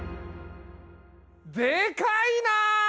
でかいな！